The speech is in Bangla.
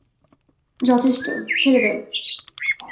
যথেষ্ট, ছেড়ে দে।